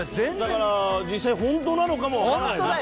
だから実際ホントなのかもわからない。